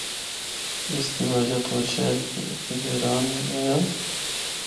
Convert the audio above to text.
اس دی وجہ تو اے شہر کدی ویران نیں ہویا۔